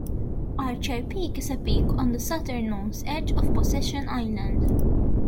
Archer Peak is a peak on the southernmost edge of Possession Island.